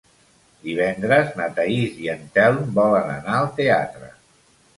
Divendres na Thaís i en Telm volen anar al teatre.